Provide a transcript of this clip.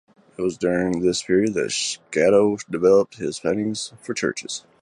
It was during this period that Schadow developed his paintings for churches.